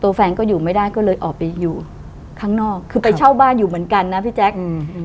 แฟนก็อยู่ไม่ได้ก็เลยออกไปอยู่ข้างนอกคือไปเช่าบ้านอยู่เหมือนกันนะพี่แจ๊คอืม